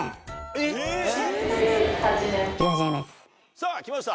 さぁきました